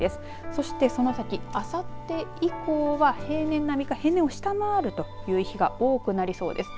そしてその先、あさって以降は平年並みか平年を下回るという日が多くなりそうです。